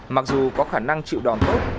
mặc dù có khả năng chịu đòn tốt